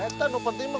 eh itu penting pak